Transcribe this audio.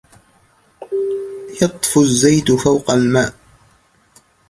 يطفو الزيت فوق الماء.